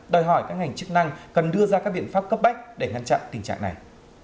đòi hỏi các ngành chức năng cần đưa ra các biện pháp cấp bách để ngăn chặn tình trạng này